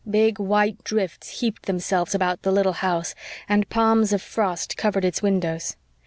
Big, white drifts heaped themselves about the little house, and palms of frost covered its windows.